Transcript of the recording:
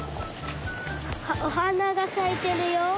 あっおはながさいてるよ？